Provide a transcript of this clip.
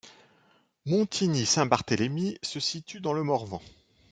Montigny-Saint-Barthélémy se situe dans le Morvan.